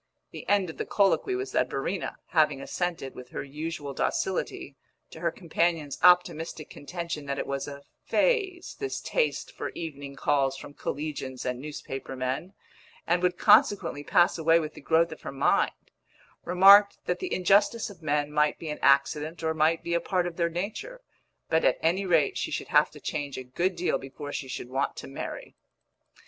The end of the colloquy was that Verena, having assented, with her usual docility, to her companion's optimistic contention that it was a "phase," this taste for evening calls from collegians and newspaper men, and would consequently pass away with the growth of her mind, remarked that the injustice of men might be an accident or might be a part of their nature, but at any rate she should have to change a good deal before she should want to marry.